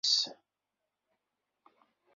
Yerwi lmux-is.